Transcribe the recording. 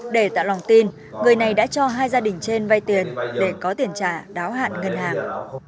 để tạo lòng tin người này đã cho hai gia đình trên vay tiền để có tiền trả đáo hạn ngân hàng